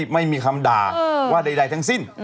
ไม่มีคำด่าว่าใดทั้งสิ้น